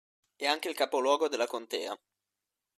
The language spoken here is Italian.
È anche il capoluogo della Contea.